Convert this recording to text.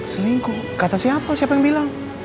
selingkuh kata siapa siapa yang bilang